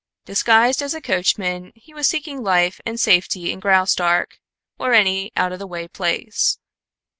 Disguised as a coachman he was seeking life and safety in Graustark, or any out of the way place.